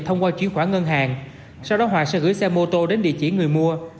thông qua chuyển quả ngân hàng sau đó hòa sẽ gửi xe mô tô đến địa chỉ người mua